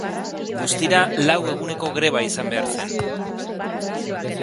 Guztira lau eguneko greba izan behar zen.